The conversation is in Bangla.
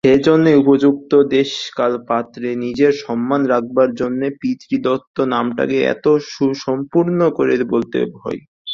সেইজন্যেই উপযুক্ত দেশকালপাত্রে নিজের সম্মান রাখবার জন্যে পিতৃদত্ত নামটাকে এত সুসম্পূর্ণ করে বলতে হয়।